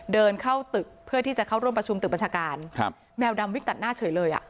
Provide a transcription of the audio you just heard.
เดินเข้าตึกเพื่อที่จะเข้าร่วมประชุมตึกบัญชาการครับแมวดำวิกตัดหน้าเฉยเลยอ่ะ